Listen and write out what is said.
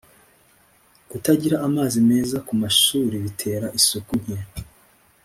Kutagira amazi meza ku mashuri bitera isuku nke